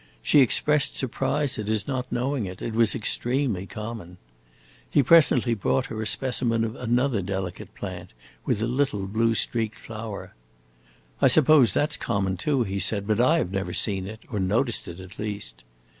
She expressed surprise at his not knowing it; it was extremely common. He presently brought her a specimen of another delicate plant, with a little blue streaked flower. "I suppose that 's common, too," he said, "but I have never seen it or noticed it, at least."